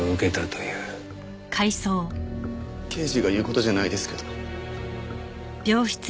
刑事が言う事じゃないですけど。